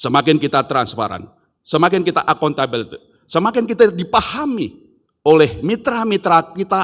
semakin kita transparan semakin kita akuntabel semakin kita dipahami oleh mitra mitra kita